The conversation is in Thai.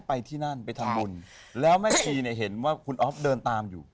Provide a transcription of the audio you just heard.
ไปทานบุญแล้วแม่ชีเห็นว่าคุณอ๊อฟเดินตามอยู่